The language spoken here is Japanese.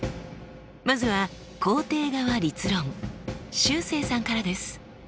まずは肯定側立論しゅうせいさんからです。